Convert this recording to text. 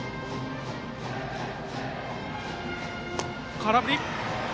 空振り。